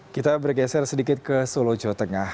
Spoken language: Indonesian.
kita bergeser sedikit ke solo jawa tengah